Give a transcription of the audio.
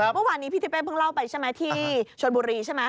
เมื่อวานนี้พี่ทิเป้เพิ่งเล่าไปใช่ไหมที่ชนบุรีใช่ไหม